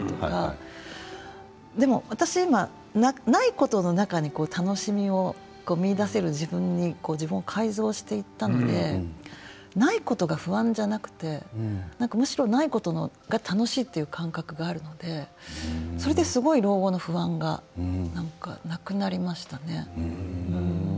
お金がなくなる、健康がなくなるでも私は今ないことの中に楽しみを見いだせる自分に改造していったのでないことが不安ではなくてむしろ、ないことが楽しいという感覚があるのでそれですごく老後の不安がなくなりましたね。